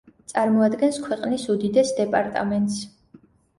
წარმოადგენს ქვეყნის უდიდეს დეპარტამენტს.